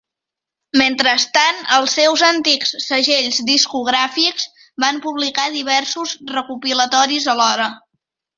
Mentrestant, els seus antics segells discogràfics, van publicar diversos recopilatoris alhora.